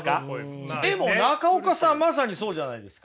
でも中岡さんまさにそうじゃないですか。